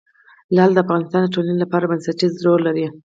لعل د افغانستان د ټولنې لپاره بنسټيز رول لري.